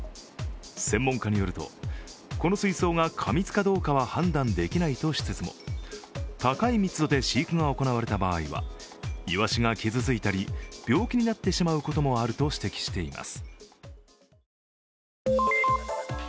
専門家によるとこの水槽が過密かどうかは判断できないとしつつも高い密度で飼育が行われた場合はいわしが傷ついたり病気になってしまうこともあると指摘しています。